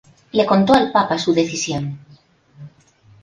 Le contó al papa su decisión.